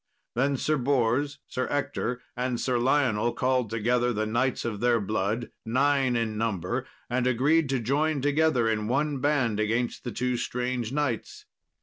Then Sir Bors, Sir Ector, and Sir Lionel called together the knights of their blood, nine in number, and agreed to join together in one band against the two strange knights.